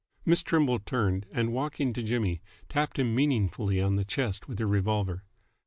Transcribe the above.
Miss Trimble turned, and, walking to Jimmy, tapped him meaningly on the chest with her revolver.